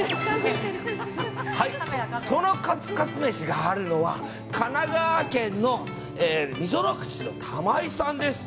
そのカツカツ飯があるのは神奈川県の溝の口のたまいさんです。